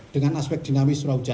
dengan aspek dinamis perhujan